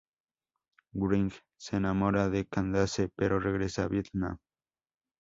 Wright se enamora de Candace, pero regresa a Vietnam.